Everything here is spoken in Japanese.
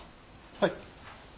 はい。